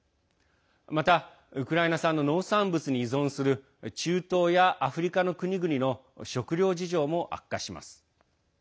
また、ウクライナ産の農産物に依存する中東やアフリカの国々の食糧事情も悪化します。